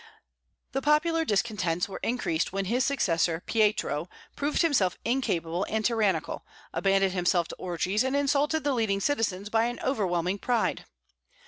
The popular discontents were increased when his successor, Pietro, proved himself incapable and tyrannical, abandoned himself to orgies, and insulted the leading citizens by an overwhelming pride.